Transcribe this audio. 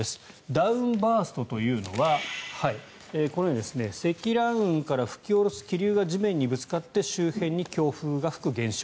ダウンバーストというのはこのように積乱雲から吹き下ろす気流が地面にぶつかって周辺に強風が吹く現象。